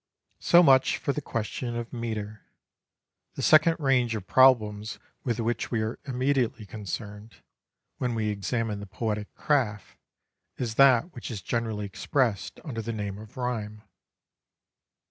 So much for the question of metre. The second range of problems with which we are immediately concerned, when we examine the poetic craft, is that which is generally expressed under the name of rhyme.